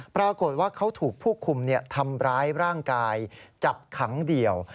ปรากฏว่าเขาถูกผู้คุมทำร้ายร่างกายจับขังเดี่ยว